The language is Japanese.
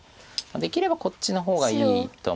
できればこっちの方がいいとは。